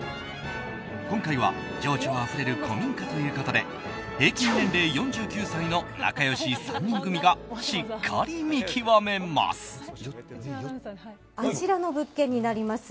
今回は情緒あふれる古民家ということで平均年齢４９歳の仲良し３人組がしっかり見極めます。